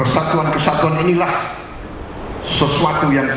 saya berterima kasih kepada anda